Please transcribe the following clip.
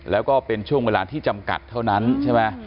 แล้วก็เป็นช่วงเวลาที่จำกัดเท่านั้นใช่ไหม